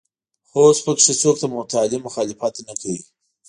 خو اوس په کې څوک د تعلیم مخالفت نه کوي.